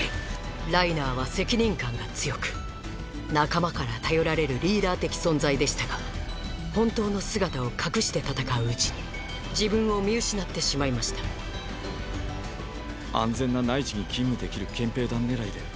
ライナーは責任感が強く仲間から頼られるリーダー的存在でしたが本当の姿を隠して戦ううちに自分を見失ってしまいました安全な内地に勤務できる憲兵団狙いで兵士を選んだ。